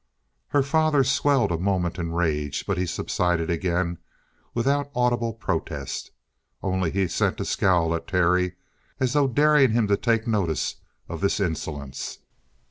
Her father swelled a moment in rage, but he subsided again without audible protest. Only he sent a scowl at Terry as though daring him to take notice of this insolence.